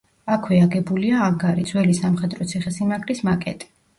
აქვე აგებულია ანგარი, ძველი სამხედრო ციხესიმაგრის მაკეტი.